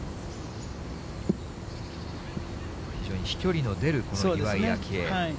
非常に飛距離の出る、この岩井明愛。